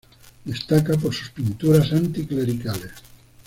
Destaca por sus pinturas anticlericales.